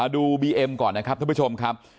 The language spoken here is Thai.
ดูบีเอ็มก่อนนะครับท่านผู้ชมครับ